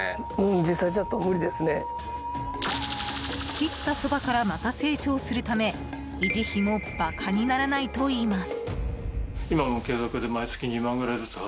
切ったそばからまた成長するため維持費も馬鹿にならないといいます。